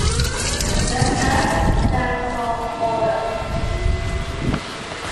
The "O" stands for order.